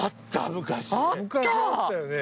昔あったよね。